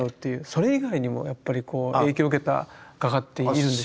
それ以外にもやっぱり影響を受けた画家っているんでしょうか？